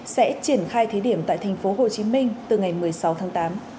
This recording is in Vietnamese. sẽ triển khai thí điểm tại tp hcm từ ngày một mươi sáu tháng tám